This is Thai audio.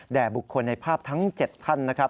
บุคคลในภาพทั้ง๗ท่านนะครับ